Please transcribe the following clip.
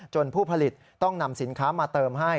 ผู้ผลิตต้องนำสินค้ามาเติมให้